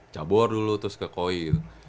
cabur dulu terus ke koi gitu